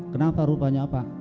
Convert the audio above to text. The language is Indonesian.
kenapa rupanya apa